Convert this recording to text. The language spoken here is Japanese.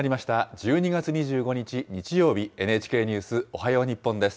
１２月２５日日曜日、ＮＨＫニュースおはよう日本です。